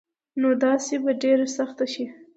نو داسي به ډيره سخته شي